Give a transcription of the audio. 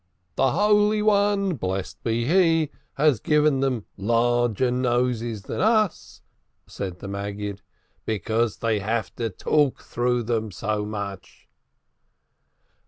"The Holy One, blessed be He, has given them larger noses than us," said the Maggid, "because they have to talk through them so much."